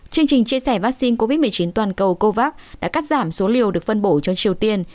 chương trình chia sẻ vaccine covid một mươi chín toàn cầu covax đã cắt giảm số liều được phân bổ cho triều tiên